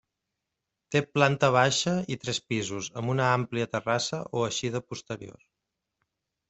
Té planta baixa i tres pisos, amb una àmplia terrassa o eixida posterior.